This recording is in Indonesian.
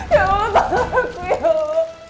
ya allah tolong aku ya allah